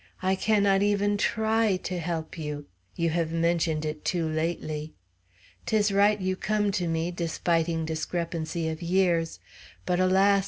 I cannot even try y y to help you; you have mentioned it too lately! 'Tis right you come to me, despiting discrepancy of years; but alas!